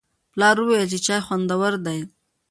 پلار وویل چې چای خوندور دی.